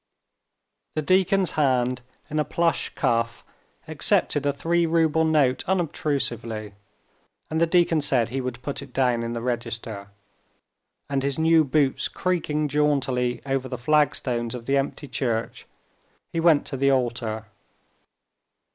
The deacon's hand in a plush cuff accepted a three rouble note unobtrusively, and the deacon said he would put it down in the register, and his new boots creaking jauntily over the flagstones of the empty church, he went to the altar.